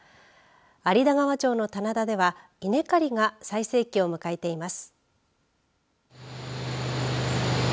有田川町の棚田では稲刈りが最盛期を迎えています。